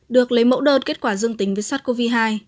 được lấy mẫu đơn kết quả dương tính với sars cov hai